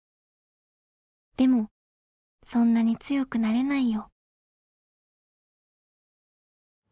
でもそんなに強くなれないよ。